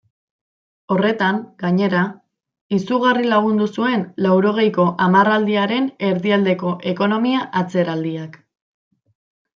Horretan, gainera, izugarri lagundu zuen laurogeiko hamarraldiaren erdialdeko ekonomia-atzeraldiak.